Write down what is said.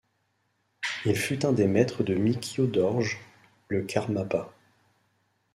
Il fut un des maîtres de Mikyö Dorje, le Karmapa.